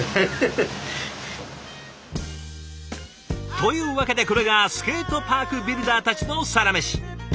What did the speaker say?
というわけでこれがスケートパークビルダーたちのサラメシ。